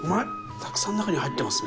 たくさん、中に入ってますね。